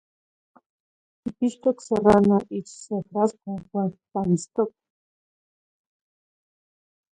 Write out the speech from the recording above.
Quipixtoc se rana itich se frasco uan quipapanitztoqueh.